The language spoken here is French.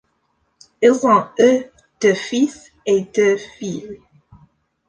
Ils ont eu deux fils et deux filles.